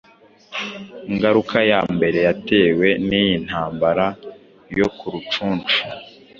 Ingaruka ya mbere yatewe n’iyi ntambara yo ku Rucunshu